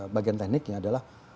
bagian tekniknya adalah